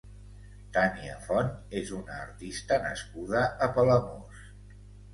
Tania Font és una artista nascuda a Palamós.